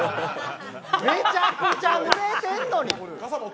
めちゃくちゃ濡れてるのに。